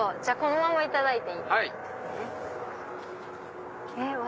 じゃあこのままいただいていいですね。